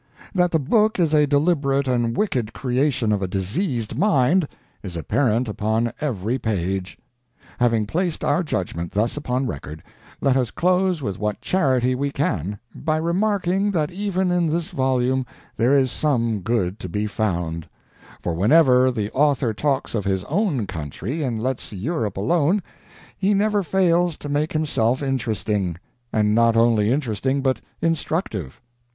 That the book is a deliberate and wicked creation of a diseased mind, is apparent upon every page. Having placed our judgment thus upon record, let us close with what charity we can, by remarking that even in this volume there is some good to be found; for whenever the author talks of his own country and lets Europe alone, he never fails to make himself interesting, and not only interesting but instructive.